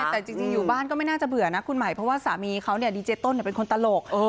แต่จริงอยู่บ้านก็ไม่น่าจะเบื่อนะคุณหมายเพราะว่าสามีเขาดีเจต้นเป็นคนตลก